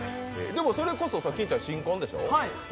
でも、それこそ、きんちゃん新婚でしょ？